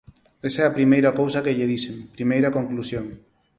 Esa é a primeira cousa que lle dixen, primeira conclusión.